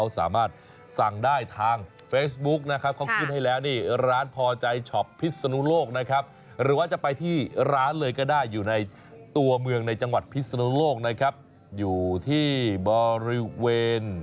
สามารถสั่งได้ทางเฟซบุ๊คนะครับเขาขึ้นให้แล้วนี่ร้านพอใจช็อปพิศนุโลกนะครับหรือว่าจะไปที่ร้านเลยก็ได้อยู่ในตัวเมืองในจังหวัดพิศนุโลกนะครับอยู่ที่บริเวณ